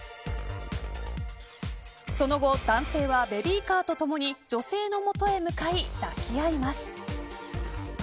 その後、男性はベビーカーとともに女性の元へ向かい抱き合います。